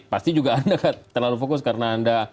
pasti juga anda terlalu fokus karena anda